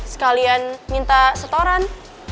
sekalian minta setoran